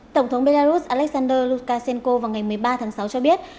tổng thống belarus alexander lukashenko vào ngày một mươi ba tháng sáu cho biết